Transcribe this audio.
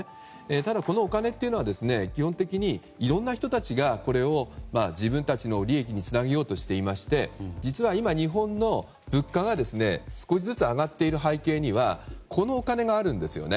ただ、このお金は基本的にいろんな人たちがこれを自分たちの利益につなげようとしていまして実は今、日本の物価が少しずつ上がっている背景にはこのお金があるんですよね。